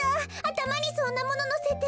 たまにそんなもののせて。